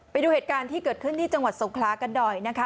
ไปดูเหตุการณ์ที่เกิดขึ้นที่จังหวัดสงครากันหน่อยนะคะ